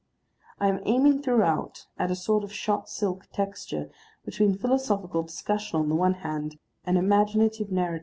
I am aiming throughout at a sort of shot silk texture between philosophical discussion on the one hand and imaginative narrative on the other.